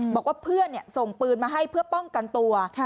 บอกว่าเพื่อนส่งปืนมาให้เพื่อป้องกันตัว